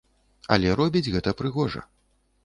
Але робіць гэта прыгожа.